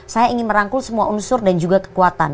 saya ingin merangkul semua unsur dan juga kekuatan